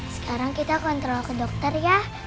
sekarang kita kontrol ke dokter ya